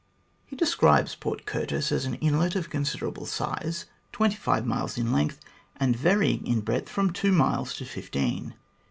He describes Port Curtis as an inlet of considerable size, twenty five miles in length, and varying in breadth from two miles to fifteen.